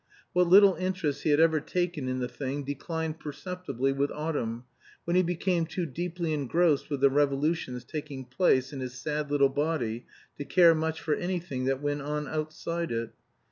What little interest he had ever taken in the thing declined perceptibly with autumn, when he became too deeply engrossed with the revolutions taking place in his sad little body to care much for anything that went on outside it.